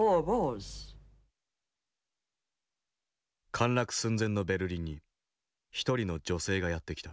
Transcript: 陥落寸前のベルリンに一人の女性がやって来た。